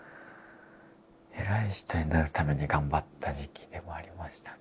偉い人になるために頑張った時期でもありましたね